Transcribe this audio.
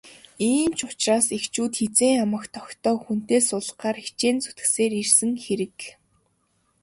Ийм ч учраас эхчүүд хэзээ ямагт охидоо хүнтэй суулгахаар хичээн зүтгэсээр ирсэн хэрэг.